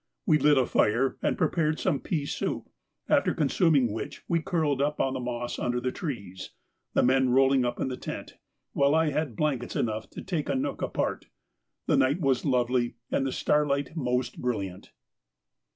We lit a fire and prepared some pea soup, after consuming which we curled up on the moss under the trees, the men rolling up in the tent, while I had blankets enough to take a nook apart. The night was lovely and the starlight most brilliant.